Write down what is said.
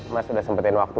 mas sudah sempetin waktu